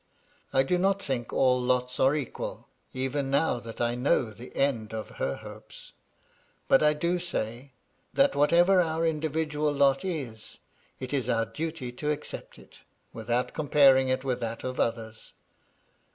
I do not think all lots are equal, even now that I know the end of her hopes ; but I do say, that whatever our indi vidual lot is, it is our duty to accept it, without com paring it with that of others.